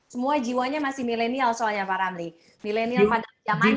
semua jiwanya masih milenial soalnya pak ramli milenial pada zamannya